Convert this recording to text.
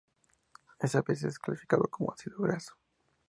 Es a veces clasificado como ácido graso.